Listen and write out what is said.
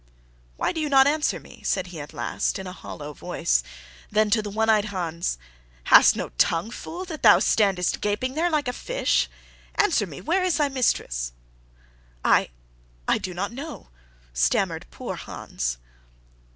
"Why do you not answer me?" said he at last, in a hollow voice; then to the one eyed Hans, "Hast no tongue, fool, that thou standest gaping there like a fish? Answer me, where is thy mistress?" "I I do not know," stammered poor Hans.